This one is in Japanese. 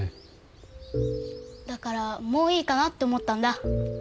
だからもういいかなって思ったんだ。